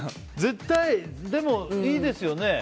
でも、いいですよね。